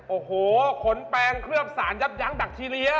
โอ้โหขนแปลงเคลือบสารยับยั้งดักทีเรีย